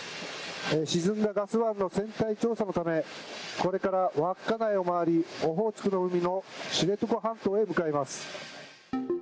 沈んだ「ＫＡＺＵ１」の船体調査のためこれから稚内を回りオホーツクの海の知床半島へ向かいます。